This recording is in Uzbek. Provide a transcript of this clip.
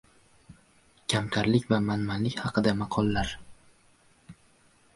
Kamtarlik va manmanlik haqida maqollar.